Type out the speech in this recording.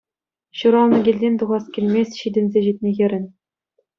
Ҫуралнӑ килтен тухас килмест ҫитӗнсе ҫитнӗ хӗрӗн.